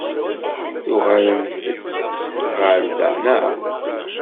Tuɣalemt-d ɣer da, naɣ?